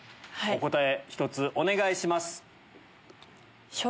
お答え１つお願いします。